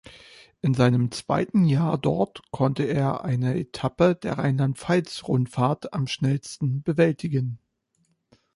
In seinem zweiten Jahr dort konnte er eine Etappe der Rheinland-Pfalz-Rundfahrt am schnellsten bewältigen.